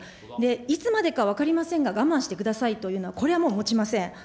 いつまでか分かりませんが、我慢してくださいというのは、これはもうもちません。